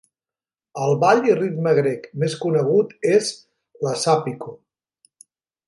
El ball i ritme grec més conegut és l'hasàpiko.